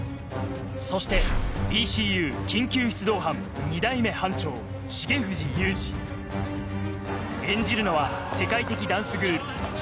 そしてＥＣＵ緊急出動班２代目班長演じるのは世界的ダンスグループｓ＊＊